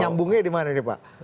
nyambungnya dimana nih pak